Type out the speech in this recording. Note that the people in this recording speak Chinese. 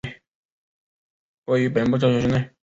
位于本部教学区内。